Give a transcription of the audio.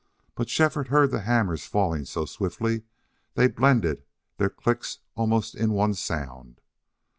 But Shefford heard the hammers falling so swiftly they blended their clicks almost in one sound.